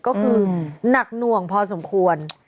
ก็คือหนักหน่วงพอสมควร